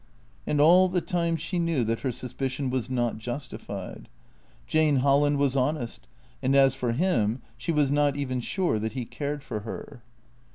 And all the time she knew that her suspicion was not justified. Jane Holland was honest; and as for him, she was not even sure that he cared for her.